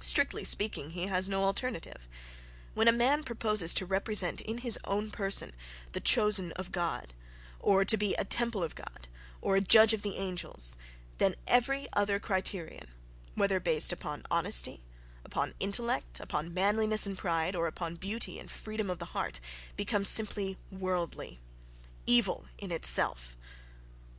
Strictly speaking, he has no alternative. When a man proposes to represent, in his own person, the "chosen of God"—or to be a "temple of God," or a "judge of the angels"—then every other criterion, whether based upon honesty, upon intellect, upon manliness and pride, or upon beauty and freedom of the heart, becomes simply "worldly"—evil in itself....